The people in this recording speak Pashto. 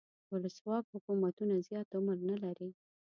ولسواک حکومتونه زیات عمر نه لري.